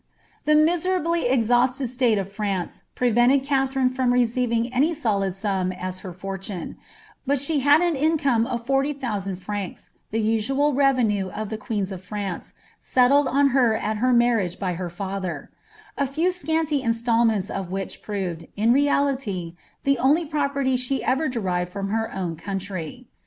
^'' The miserably exhausted state of France prevented Katherine from teceiving any solid sum as her fortune ; but she had an income of forty thousand francs, the usual revenue of the queens of France, settled on her at her marriage by her father ; a few scanty instalments of which |iroved, in reality, the only property she ever derived from her own country.